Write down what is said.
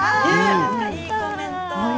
いいコメント。